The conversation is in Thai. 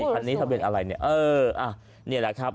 คันนี้ทะเบียนอะไรเนี่ยเอออ่ะนี่แหละครับ